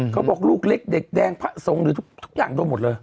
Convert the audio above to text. เขาบอกลูกเล็กไหนพ่าทรงหรือทุกอย่างเดียวหมดเลย